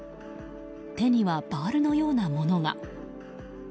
手にはバールのようなものが。